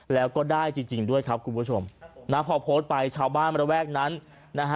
แล้วก็ได้จริงจริงด้วยครับคุณผู้ชมนะพอโพสต์ไปชาวบ้านระแวกนั้นนะฮะ